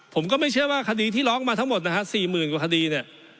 ผมก็ไม่เชื่อว่าคดีที่ร้องมาทั้งหมดนะฮะ๔๐๐๐กว่าคดีเนี่ย